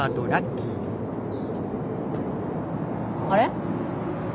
あれ？